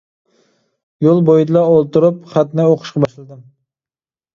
يول بويىدىلا ئولتۇرۇپ خەتنى ئوقۇشقا باشلىدىم.